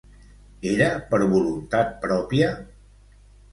Era per voluntat pròpia?